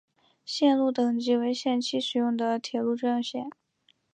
线路等级为限期使用的铁路专用线。